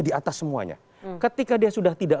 di atas semuanya ketika dia sudah tidak